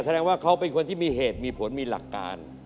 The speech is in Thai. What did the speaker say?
แสดงว่าเขาเป็นคนที่มีเหตุมีผลมีหลักการ